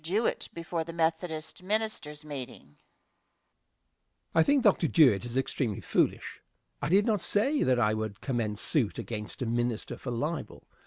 Jewett before the Methodist ministers' meeting? Answer. I think Dr. Jewett is extremely foolish. I did not say that I would commence suit against a minister for libel.